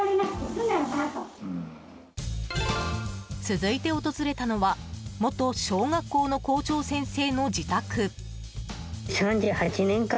続いて訪れたのは元小学校の校長先生の自宅。